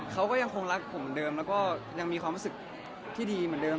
เขาก็ยังคงรักผมเหมือนเดิมแล้วก็ยังมีความรู้สึกที่ดีเหมือนเดิม